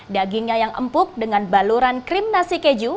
dagingnya yang empuk dengan baluran krim nasi keju